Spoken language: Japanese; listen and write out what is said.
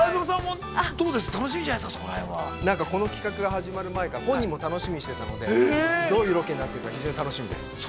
◆何かこの企画が始まる前から本人も楽しみにしてたのでどういうロケになっているか、非常に楽しみです。